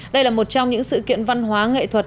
đây là một trong những sự kiện văn hóa nghệ thuật